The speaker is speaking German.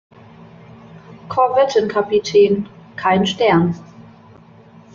Korvettenkapitän: kein Stern.